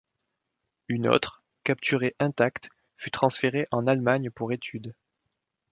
Une autre, capturée intacte, fut transférée en Allemagne pour étude.